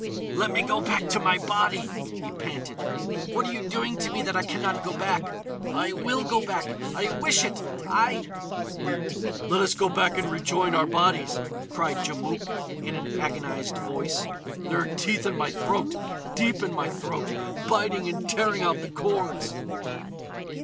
"Let me go back to my body!" he panted. "What are you doing to me that I can not go back? I will go back! I wish it!—I——" "Let us go back and rejoin our bodies!" cried Djamouk in an agonised voice. "There are teeth in my throat, deep in my throat, biting and tearing out the cords."